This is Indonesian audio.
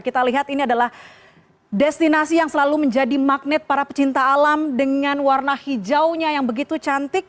kita lihat ini adalah destinasi yang selalu menjadi magnet para pecinta alam dengan warna hijaunya yang begitu cantik